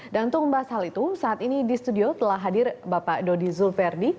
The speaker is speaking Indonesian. dan untuk membahas hal itu saat ini di studio telah hadir bapak dodi zulverdi